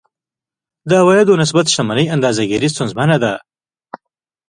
د عوایدو نسبت شتمنۍ اندازه ګیري ستونزمنه ده.